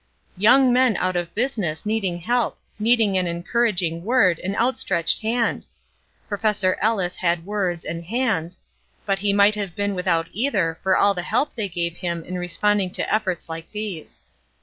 Young men out of business needing help, needing an encouraging word, an out stretched hand! Professor Ellis had words, and hands, but he might have been without either for all the help they gave him in responding to efforts like these.